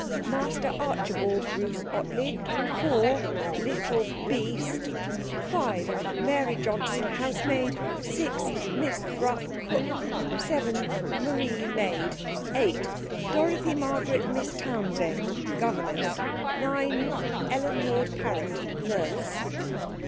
Master Archibald Bruce Ottley 4. Little beast 5. Mary Johnson housemaid 6. Miss Thrupp Cook 7. Marie maid 8. Dorothy Margaret Miss Townsend governess 9. Ellen Maud Parrot nurse.'